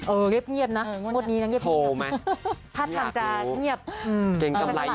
เออเล็บเงียบน่ะงวดนี้น่ะเกรงกำไรอยู่หรือเปล่า